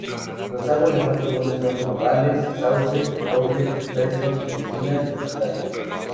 Los árboles más comunes son nogales, sauces, robles, fresnos, encinas o castaños.